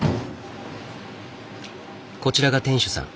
こちらが店主さん。